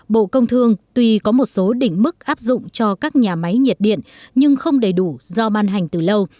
bộ công thương tuy có một số đỉnh mức áp dụng cho các nhà máy nhiệt điện nhưng không đầy đủ do ban hành từ lâu